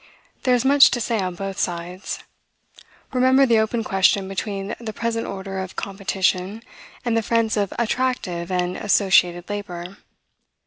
There is much to say on both sides. Remember the open question between the present order of "competition," and the friends of "attractive and associated labor."